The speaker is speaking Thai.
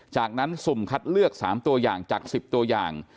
จากนั้นสุ่มคัดเลือก๓ตัวอย่างจาก๑๐ตัวอย่าง